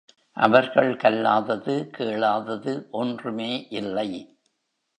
அவர்கள் கல்லாதது, கேளாதது ஒன்றுமே இல்லை.